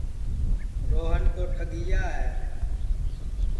روہن تو ٹھگِیا ہے